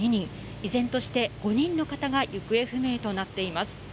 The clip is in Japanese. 依然として５人の方が行方不明となっています。